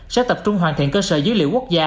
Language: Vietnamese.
sẽ tập trung hoàn thiện cơ sở dữ liệu quốc gia